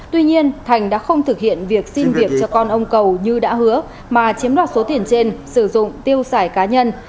tuy nhiên thành đã không thực hiện việc xin việc cho con ông cầu như đã hứa mà chiếm đoạt số tiền trên sử dụng tiêu xài cá nhân